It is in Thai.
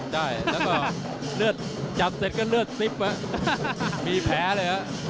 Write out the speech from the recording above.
ใช่แล้วก็เลือดจับเสร็จก็เลือดซิบมีแผลเลยฮะ